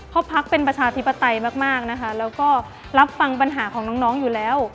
เพราะพักเป็นประชาธิปไตยมากนะคะแล้วก็รับฟังปัญหาของน้องอยู่แล้ว